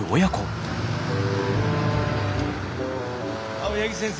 青柳先生